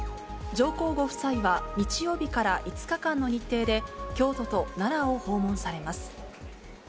上皇ご夫妻は、日曜日から５日間の日程で、京都と奈良を訪問されます。